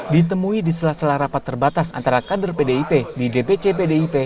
ditemui di sela sela rapat terbatas antara kader pdip di dpc pdip